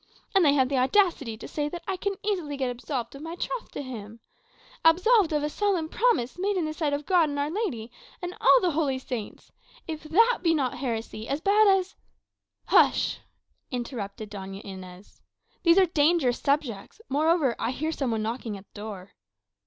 And they have the audacity to say that I can easily get absolved of my troth to him. Absolved of a solemn promise made in the sight of God and of Our Lady, and all the holy Saints! If that be not heresy, as bad as " "Hush!" interrupted Doña Inez. "These are dangerous subjects. Moreover, I hear some one knocking at the door."